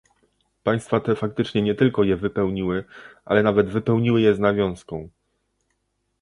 Państwa te faktycznie nie tylko je wypełniły, ale nawet wypełniły je z nawiązką